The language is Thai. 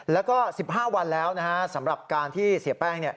แล้วก็๑๕วันแล้วสำหรับการที่เสียแป้ง